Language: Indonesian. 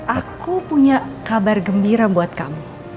aku punya kabar gembira buat kamu